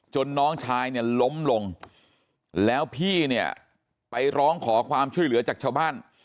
น้องชายเนี่ยล้มลงแล้วพี่เนี่ยไปร้องขอความช่วยเหลือจากชาวบ้าน